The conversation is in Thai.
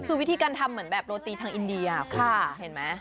คือวิธีการทำเหมือนแบบโรตีทางอินเดียคุณเห็นไหม